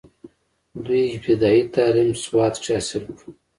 دوي ابتدائي تعليم سوات کښې حاصل کړو،